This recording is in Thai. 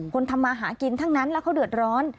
ทำมาหากินทั้งนั้นแล้วเขาเดือดร้อน